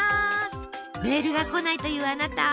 メールが来ないというあなた！